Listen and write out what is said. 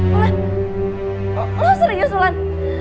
ulan lu serius ulan